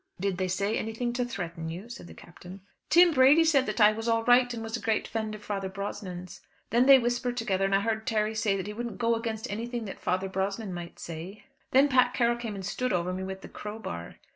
"Did they say anything to threaten you?" said the Captain. "Tim Brady said that I was all right, and was a great friend of Father Brosnan's. Then they whispered together, and I heard Terry say that he wouldn't go against anything that Father Brosnan might say. Then Pat Carroll came and stood over me with the crowbar."